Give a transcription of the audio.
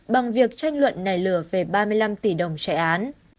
bằng việc tranh luận nảy lửa về ba mươi năm tỷ đồng chạy án